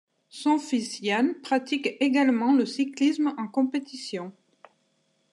Son fils Jan pratique également le cyclisme en compétition.